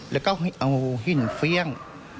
แล้วก็เอาหินเฟี่ยง